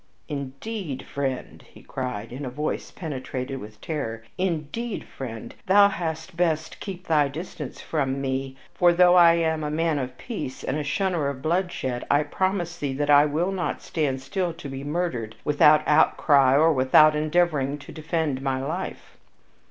"Indeed, friend," he cried, in a voice penetrated with terror "indeed, friend, thou hadst best keep thy distance from me, for though I am a man of peace and a shunner of bloodshed, I promise thee that I will not stand still to be murdered without outcry or without endeavoring to defend my life!"